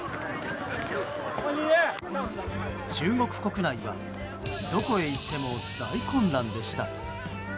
中国国内はどこへ行っても大混乱でした。